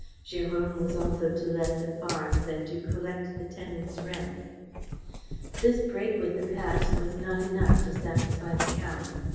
Jérôme was also to let the farms and to collect the tenants' rents. This break with the past was not enough to satisfy the Count.